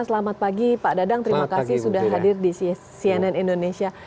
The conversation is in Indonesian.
selamat pagi pak dadang terima kasih sudah hadir di cnn indonesia